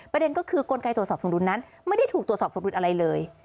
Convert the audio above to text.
ประเด็นก็คือกลไกตรวจสอบสมดุลนั้นไม่ได้ถูกตรวจสอบสมดุลอะไรเลย